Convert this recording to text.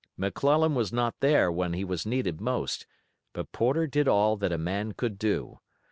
McClellan was not there when he was needed most, but Porter did all that a man could do.